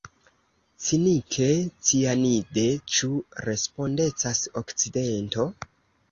Cinike cianide – ĉu respondecas Okcidento?